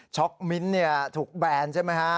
ช็อกมิ้นถูกแบนใช่ไหมคะ